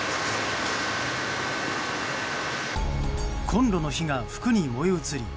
コンロの火が服に燃え移り